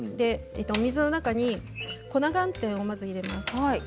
水の中に粉寒天をまず入れます。